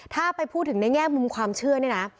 ถ้าไปพูดถึงในแง่มุมความเชื่อเนี่ยนะ